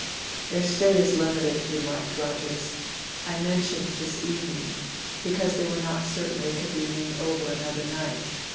"Their stay is limited," remarked Rogers. "I mentioned this evening because they were not certain they could remain over another night.